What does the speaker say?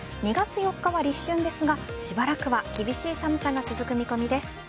２月４日は立春ですがしばらくは厳しい寒さが続く見込みです。